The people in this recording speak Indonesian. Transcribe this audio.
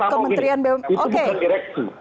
kementerian bumn oke